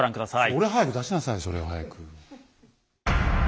それを早く出しなさいそれを早く。